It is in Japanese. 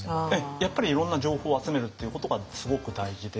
やっぱりいろんな情報を集めるっていうことがすごく大事で。